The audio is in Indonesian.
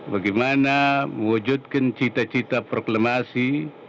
bagaimana mewujudkan cita cita proklamasi